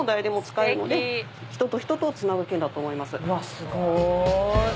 すごーい！